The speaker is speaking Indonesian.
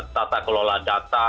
tata kelola data